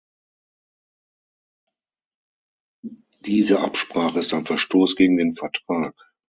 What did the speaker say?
Diese Absprache ist ein Verstoß gegen den Vertrag.